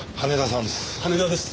羽田です。